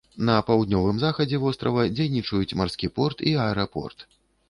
На паўднёвым захадзе вострава дзейнічаюць марскі порт і аэрапорт.